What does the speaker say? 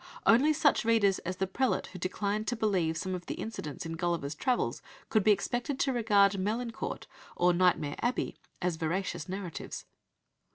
Only such readers as the prelate who declined to believe some of the incidents in Gulliver's Travels could be expected to regard Melincourt or Nightmare Abbey as veracious narratives.